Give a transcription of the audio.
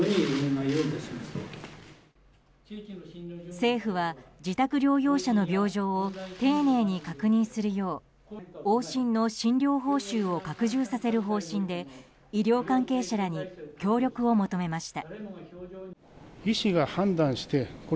政府は自宅療養者の病状を丁寧に確認するよう往診の診療報酬を拡充させる方針で医療関係者らに協力を求めました。